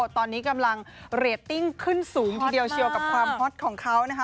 ตอนนี้กำลังเรตติ้งขึ้นสูงทีเดียวเชียวกับความฮอตของเขานะคะ